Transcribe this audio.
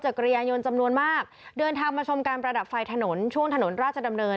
กระยานยนต์จำนวนมากเดินทางมาชมการประดับไฟถนนช่วงถนนราชดำเนิน